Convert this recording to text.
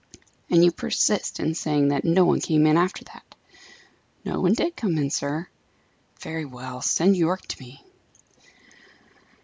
"And you persist in saying that no one came in, after that?" "No one did come in, sir." "Very well. Send Yorke to me."